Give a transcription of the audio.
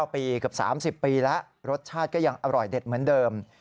ปีเกือบ๓๐ปีแล้วรสชาติก็ยังอร่อยเด็ดเหมือนเดิม